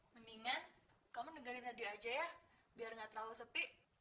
mendingan kamu dengerin radio aja ya biar nggak terlalu sepi